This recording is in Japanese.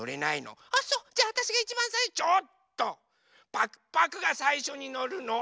パクパクがさいしょにのるの。